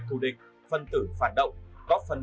thù địch phân tử phản động góp phần